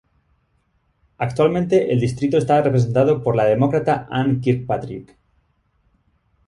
Actualmente el distrito está representado por la Demócrata Ann Kirkpatrick.